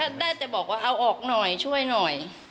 ได้แต่บอกว่าเอาออกหน่อยช่วยหน่อย